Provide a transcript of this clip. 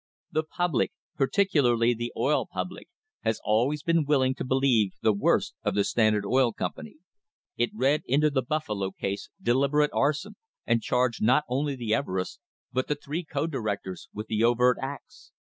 The public, particularly the oil public, has always been willing to believe the worst of the Standard Oil Company. It read into the Buffalo case deliberate arson, and charged not only the Ever ests, but the three co directors, with the overt acts.